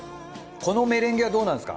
このメレンゲはどうなんですか？